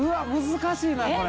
難しいなこれ。